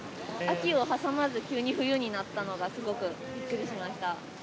秋を挟まず、急に冬になったのが、すごくびっくりしました。